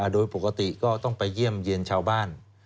โดยปกติก็ต้องไปเยี่ยมเยี่ยนชาวบ้าน